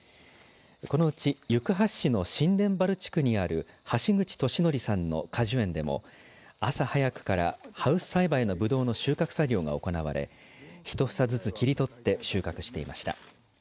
このうち行橋市の新田原地区にある橋口俊徳さんの果樹園でも朝早くからハウス栽培のブドウの収穫作業が行われ１房ずつ切り取って収穫していました。